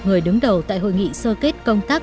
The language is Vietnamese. người đứng đầu tại hội nghị sơ kết công tác